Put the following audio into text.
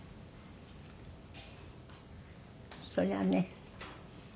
そりゃあね。